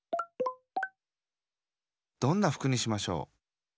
どんなふくにしましょう？